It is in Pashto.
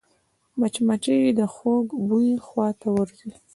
مچمچۍ د خوږ بوی خواته ورځي